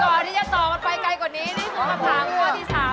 ก่อนที่จะต่อกันไปไกลกว่านี้นี่คือคำถามข้อที่๓